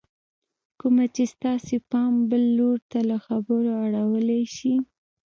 کومه چې ستاسې پام بل لور ته له خبرو اړولی شي